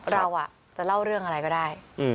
เราจะเล่าเรื่องอะไรก็ได้